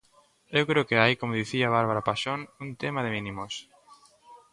Eu creo que hai, como dicía Bárbara Paxón, un tema de mínimos.